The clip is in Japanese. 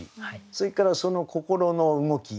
それからその心の動き。